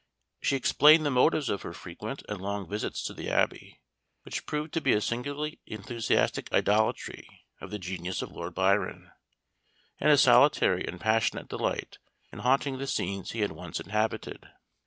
She explained the motives of her frequent and long visits to the Abbey, which proved to be a singularly enthusiastic idolatry of the genius of Lord Byron, and a solitary and passionate delight in haunting the scenes he had once inhabited.